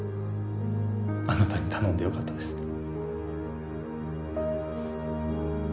あなたに頼んでよかったです。